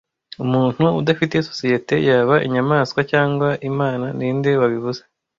“Umuntu udafite societe yaba inyamaswa cyangwa Imana” Ninde wabivuze